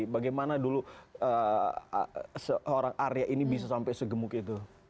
bagaimana dulu seorang arya ini bisa sampai segemuk itu